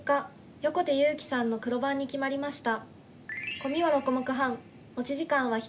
横手悠生さんの黒番に決まりました。